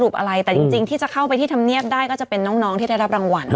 เพราะมีการโฆญภูมิบิน